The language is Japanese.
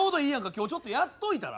今日ちょっとやっといたら？